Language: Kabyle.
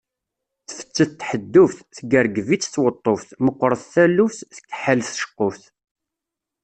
Tfettet tḥedduft, teggergeb-itt tweṭṭuft, meqret taluft, tkeḥḥel tceqquft.